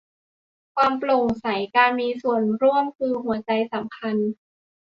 ความโปร่งใส การมีส่วนร่วม คือหัวใจสำคัญ